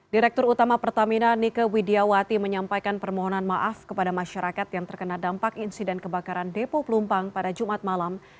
direktur utama pertamina nike widiawati menyampaikan permohonan maaf kepada masyarakat yang terkena dampak insiden kebakaran depo pelumpang pada jumat malam